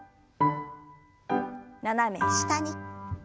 斜め下に。